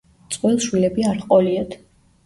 წყვილს შვილები არ ჰყოლიათ.